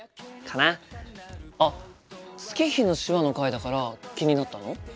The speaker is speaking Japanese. あっ「月日」の手話の回だから気になったの？